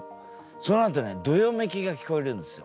そのあとねどよめきが聞こえるんですよ